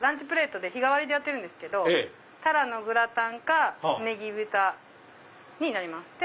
プレートで日替わりでやってるんですけどタラのグラタンかネギ豚になります。